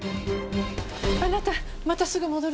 あなたまたすぐ戻るんでしょ？